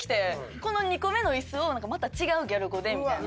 この２個目の椅子をまた違うギャル語でみたいな。